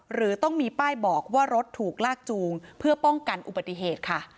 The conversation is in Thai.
หรือต้องมีป้ายบอกว่ารถถูกลากจูงเพื่อป้องกันอุบัติเหตุค่ะ